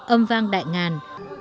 âm vang đại ngàn